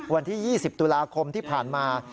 วันที่๒๐ตุลาคมที่ผ่านมา